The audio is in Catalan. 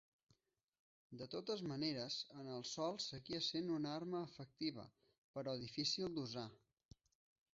De totes maneres, en el sòl seguia sent una arma efectiva, però difícil d'usar.